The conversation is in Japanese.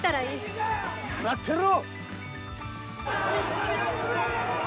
待ってろ！